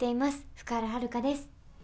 福原遥です。